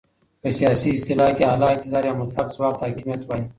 په سیاسي اصطلاح کې اعلی اقتدار یا مطلق ځواک ته حاکمیت وایې.